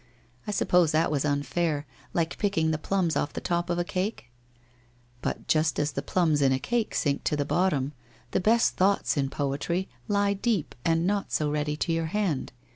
I sup pose that was unfair, like picking the plums off the top of a cake ?'' But just as the plums in a cake sink to the bottom, the best thoughts in poetry lie deep and not so ready to your hand.